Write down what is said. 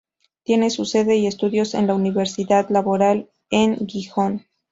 Tiene su sede y estudios en la Universidad Laboral, en Gijón.